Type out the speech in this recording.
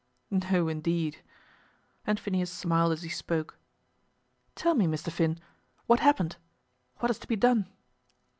"No, indeed;" and Phineas smiled as he spoke. "Tell me, Mr. Finn; what happened? What is to be done?"